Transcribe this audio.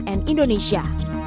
tim liputan cnn indonesia